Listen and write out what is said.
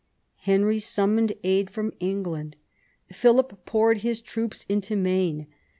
Henry summoned aid from England. Philip poured his troops into Maine.